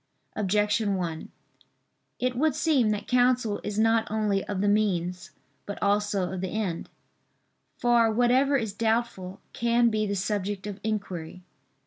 Objection 1: It would seem that counsel is not only of the means but also of the end. For whatever is doubtful, can be the subject of inquiry.